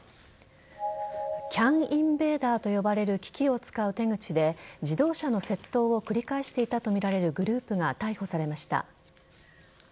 ＣＡＮインベーダーと呼ばれる機器を使う手口で自動車の窃盗を繰り返していたとみられるグループが逮捕されました。